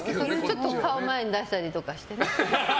ちょっと顔を前に出したりとかして。